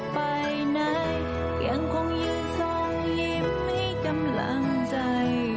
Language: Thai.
กันยังยังยิ้มให้กำลังใจ